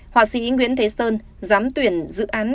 họa sĩ nguyễn thế sơn dám tuyển dự án